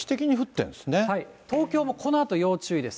東京もこのあと要注意です。